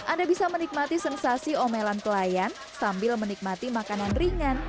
anda bisa menikmati sensasi omelan pelayan sambil menikmati makanan ringan